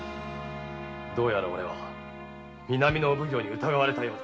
どうやら俺は南の奉行に疑われたようだ。